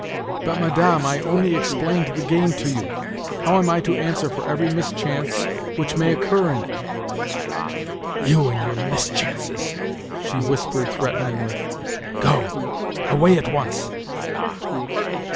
"But, Madame, I only explained the game to you. How am I to answer for every mischance which may occur in it?" "You and your mischances!" she whispered threateningly. "Go! Away at once!"